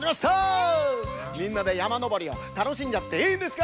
みんなでやまのぼりをたのしんじゃっていいんですか？